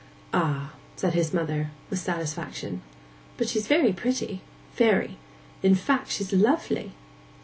'Ah!' said his mother, with satisfaction. 'But she's very pretty—very. In fact, she's lovely.